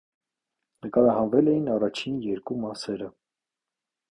Նկարահանվել էին առաջին երկու մասերը։